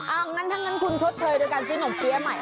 อ้าวงั้นทั้งงั้นคุณชดเผยด้วยการจิ้มของเบี้ยใหม่